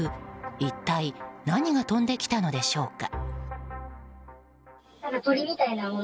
一体何が飛んできたのでしょうか。